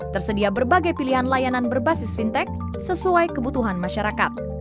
tersedia berbagai pilihan layanan berbasis fintech sesuai kebutuhan masyarakat